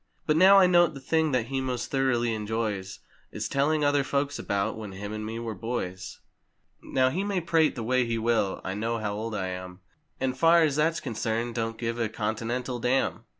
But now I note the thing that he most thoroughly enjoys Is telling other folks about, "When him and me were boys!" Now he may prate the way he will, I know how old I am, And far as that's concerned don't give a Continental dam.